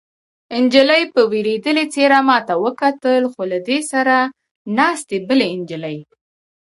نجلۍ په وېرېدلې څېره ما ته وکتل، خو له دې سره ناستې بلې نجلۍ.